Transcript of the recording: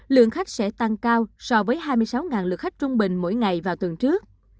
lượng khách sẽ tăng cao so với hai mươi sáu lượt khách trung bình mỗi ngày vào tuần trước